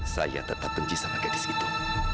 saya tetap penci sama gadis itu